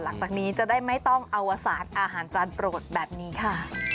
หลังจากนี้จะได้ไม่ต้องอวสารอาหารจานโปรดแบบนี้ค่ะ